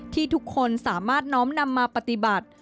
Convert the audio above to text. ที่ทุกคนสามารถน้อมนำมาปฏิบัติ